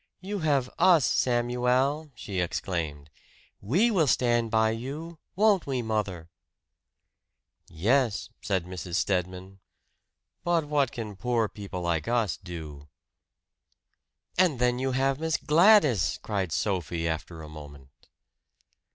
"You have us, Samuel!" she exclaimed. "We will stand by you won't we mother?" "Yes," said Mrs. Stedman "but what can poor people like us do?" "And then you have Miss Gladys!" cried Sophie after a moment.